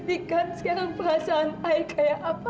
siap ataupun tidak